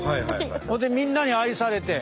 それでみんなに愛されて。